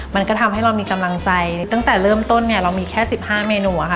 มันก็ทำให้เรามีกำลังใจตั้งแต่เริ่มต้นเนี่ยเรามีแค่๑๕เมนูอะค่ะ